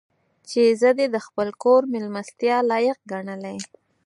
چې زه دې د خپل کور مېلمستیا لایق ګڼلی.